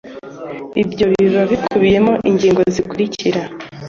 ibyo bika bikubiyemo ingingo zikurikira: